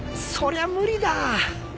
そりゃ無理だ。